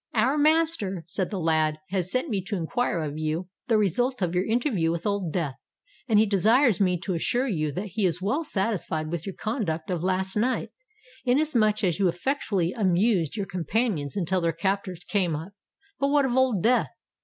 "Our master," said the lad, "has sent me to inquire of you the result of your interview with Old Death; and he desires me to assure you that he is well satisfied with your conduct of last night, inasmuch as you effectually amused your companions until their captors came up. But what of Old Death?"